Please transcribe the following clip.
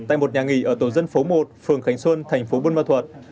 tại một nhà nghỉ ở tổ dân phố một phường khánh xuân thành phố mò thuật